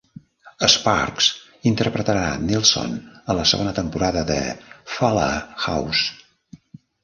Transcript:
Sparks interpretarà Nelson a la segona temporada de "Fuller House".